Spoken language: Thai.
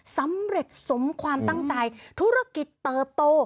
สำเร็จสมความตั้งใจธุรกิจเติบโต